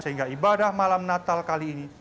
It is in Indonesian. sehingga ibadah malam natal kali ini